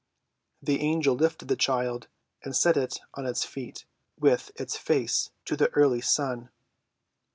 The Angel lifted the child, and set it on its feet, with its face to the early sun.